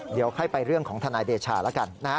เดี๋ยวไข้ไปเรื่องของธนายเดชาแล้วกัน